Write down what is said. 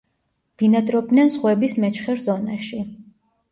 ბინადრობდნენ ზღვების მეჩხერ ზონაში.